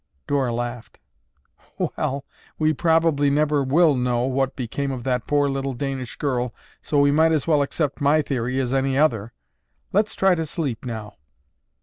Dora laughed. "Well, we probably never will know what became of that poor little Danish girl so we might as well accept my theory as any other. Let's try to sleep now."